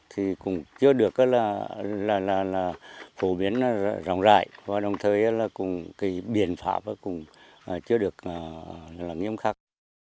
thì cũng chưa được phổ biến rộng rãi và đồng thời biện phạm cũng chưa được lắng nghiêm khắc